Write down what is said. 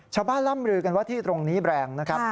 ร่ำลือกันว่าที่ตรงนี้แรงนะครับ